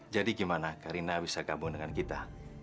jadi gimana karina bisa gabung dengan kita